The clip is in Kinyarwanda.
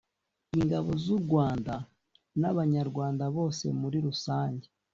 ingabo z’u Rwanda n’Abanyarwanda bose muri rusange